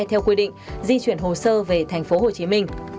theo quy định di chuyển hồ sơ về tp hcm